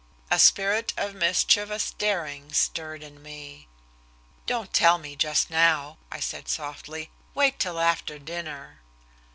A spirit of mischievous daring stirred in me. "Don't tell me just now," I said softly. "Wait till after dinner."